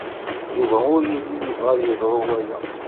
Yuba ur yelli yebɣa ad yeḍru waya.